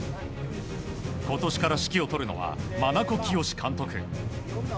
今年から指揮を執るのは真名子圭監督。